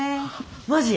マジ！？